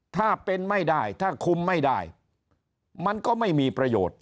ถ้าเป็นไม่ได้ถ้าคุมไม่ได้มันก็ไม่มีประโยชน์